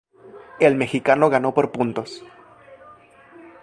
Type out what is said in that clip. El mexicano ganó por puntos.